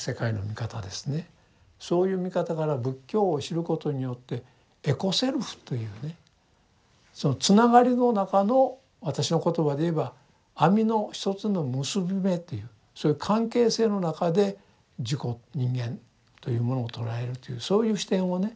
そういう見方から仏教を知ることによってエコ・セルフというねそのつながりの中の私の言葉で言えば網の一つの結び目というそういう関係性の中で自己人間というものを捉えるというそういう視点をね